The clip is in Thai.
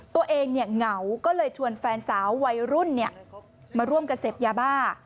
เหงาก็เลยชวนแฟนสาววัยรุ่นมาร่วมกันเสพยาบ้า